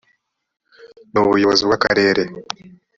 n ubuyobozi bw akarere